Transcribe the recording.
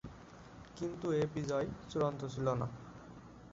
কিন্তু এ বিজয় চূড়ান্ত ছিল না।